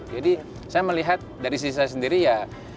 jadi saya melihat dari sisi saya sendiri ya